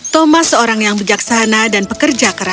thomas seorang yang bijaksana dan pekerja keras